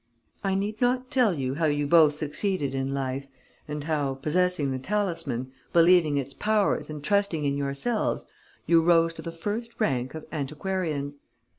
I need not tell you how you both succeeded in life and how, possessing the talisman, believing its powers and trusting in yourselves, you rose to the first rank of antiquarians.